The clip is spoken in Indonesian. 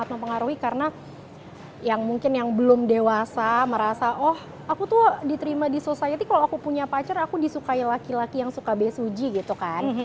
untuk beberapa orang jadi sangat mempengaruhi karena yang mungkin yang belum dewasa merasa oh aku tuh diterima di society kalau aku punya pacar aku disukai laki laki yang suka besuji gitu kan